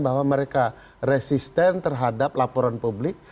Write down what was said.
bahwa mereka resisten terhadap laporan publik